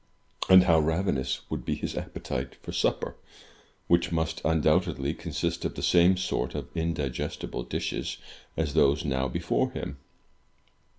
And how ravenous would be his appetite for supper, which must undoubt edly consist of the same sort of indigestible dishes as those now before him!